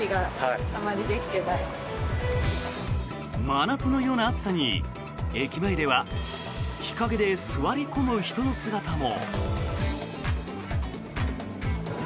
真夏のような暑さに駅前では日陰で座り込む人の姿も。